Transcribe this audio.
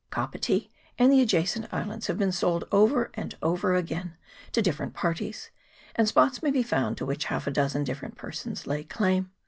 Kapiti and the adjacent islands have been sold over and over again to different parties, and spots may be found to which half a dozen different per sons lay claim.